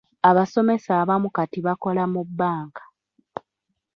Abasomesa abamu kati bakola mu bbanka.